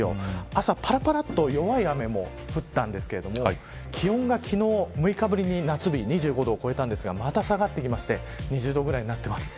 朝、ぱらぱらと弱い雨も降ったんですけど気温が昨日６日ぶりに夏日２５度を超えたんですがまだ下がってきまして２０度くらいになっています。